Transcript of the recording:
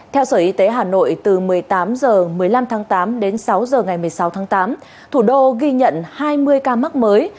theo sở y tế hà nội từ một mươi tám h một mươi năm tháng tám đến sáu h ngày một mươi sáu tháng tám thủ đô ghi nhận hai mươi ca mắc mới